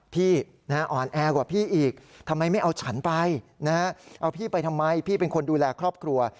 พี่อ่อนแอกว่าพี่อีกทำไมไม่เอาฉันไปเอาพี่ไปทำไมพี่เป็นคนดูแลครอบครัว